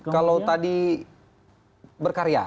kalau tadi berkarya